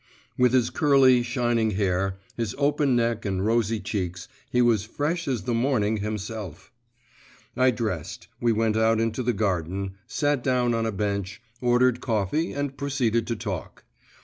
…' With his curly, shining hair, his open neck and rosy cheeks, he was fresh as the morning himself. I dressed; we went out into the garden, sat down on a bench, ordered coffee, and proceeded to talk.